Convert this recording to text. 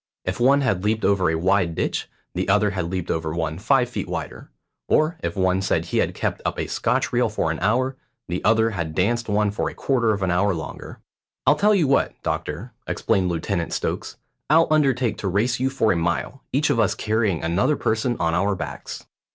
If one had leaped over a wide ditch, the other had leaped over one five feet wider, or if one said he had kept up a Scotch reel for an hour, the other had danced one for a quarter of an hour longer. "I'll tell you what, doctor," explained Lieutenant Stokes; "I'll undertake to race you for a mile, each of us carrying another person on our backs."